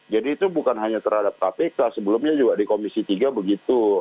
jadi itu bukan hanya terhadap kpk sebelumnya juga di komisi tiga begitu